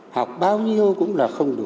học bao nhiêu cũng là không đủ